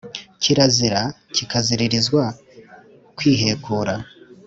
kirazira kikaziririzwa kwihekura